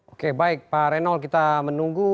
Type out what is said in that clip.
oke baik pak renold kita menunggu